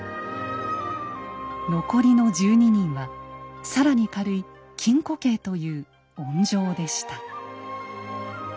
残りの１２人は更に軽い禁錮刑という温情でした。